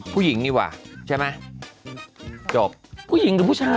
ผู้หญิงดีกว่าใช่ไหมจบผู้หญิงหรือผู้ชาย